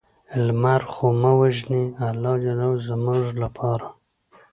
لمر خو مه وژنې الله ج زموږ لپاره